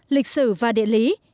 lịch sử và địa lý